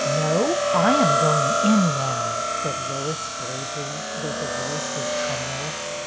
"No, I am going in now," said Lois, bravely, though her voice was tremulous.